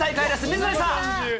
水谷さん。